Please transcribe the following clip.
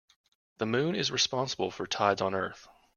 The moon is responsible for tides on earth.